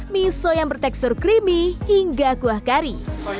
miso yang bertekstur creamy hingga kuah kari